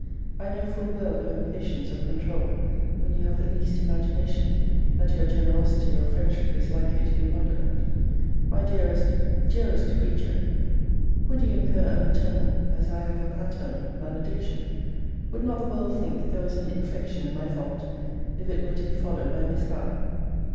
I know full well your impatience of control, when you have the least imagination that your generosity or friendship is likely to be wondered at. My dearest, dearest creature, would you incur a maternal, as I have a paternal, malediction? Would not the world think there was an infection in my fault, if it were to be followed by Miss Howe?